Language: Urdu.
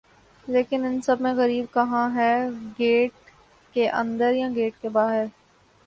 لیکن ان سب میں غریب کہاں ہے گیٹ کے اندر یا گیٹ کے باہر